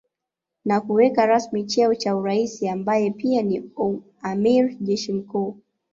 Na kuweka rasmi cheo cha uraisi ambaye pia ni amiri jeshi mkuu